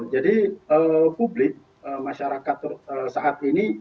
jadi publik masyarakat saat ini